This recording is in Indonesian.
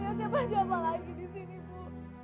bangun ibu bangun sebelum kamu